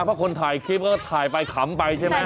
เพราะคนถ่ายคลิปก็ถ่ายไปขำไปใช่ไหม